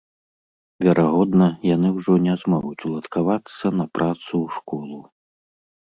Верагодна, яны ўжо не змогуць уладкавацца на працу ў школу.